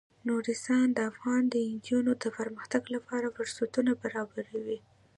نورستان د افغان نجونو د پرمختګ لپاره فرصتونه برابروي.